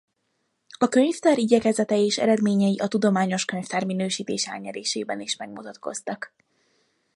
A könyvtár igyekezete és eredményei a tudományos könyvtár minősítés elnyerésében is megmutatkoztak.